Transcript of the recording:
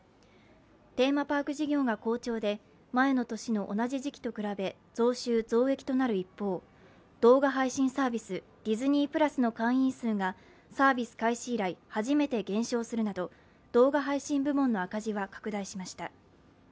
テーマパーク事業が好調で前の年の同じ時期と比べ増収増益となる一方動画配信サービスＤｉｓｎｅｙ＋の会員数がサービス開始以来初めて減少するなど動画配信部門の赤字は拡大しました。